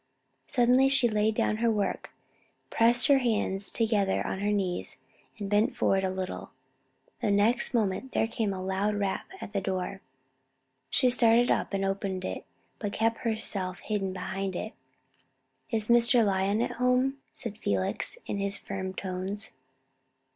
Suddenly she laid down her work, pressed her hands together on her knees, and bent forward a little. The next moment there came a loud rap at the door. She started up and opened it, but kept herself hidden behind it. "Mr. Lyon at home?" said Felix, in his firm tones.